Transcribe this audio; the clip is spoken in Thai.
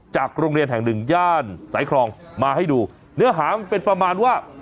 จากโรงเรียนแห่งหนึ่งย่านสายครองมาให้ดูเนื้อหามันเป็นประมาณว่า